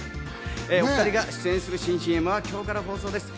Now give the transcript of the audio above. お２人が出演する新ＣＭは今日から放送です。